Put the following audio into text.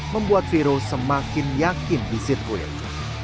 membuat viro semakin yakin di sirkuit